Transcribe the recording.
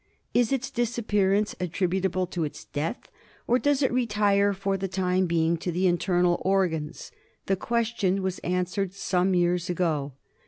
Is its disappear ance attributable to its death, or does it retire for the time being to the internal organs? The question was answered some years ago.